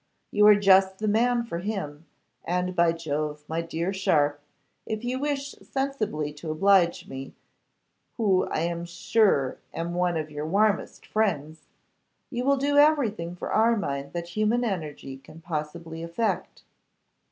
You are just the man for him, and by Jove, my dear Sharpe, if you wish sensibly to oblige me, who I am sure am one of your warmest friends, you will do everything for Armine that human energy can possibly effect.